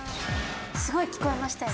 すごい聞こえましたよね。